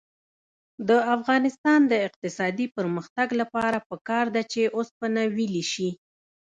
د افغانستان د اقتصادي پرمختګ لپاره پکار ده چې اوسپنه ویلې شي.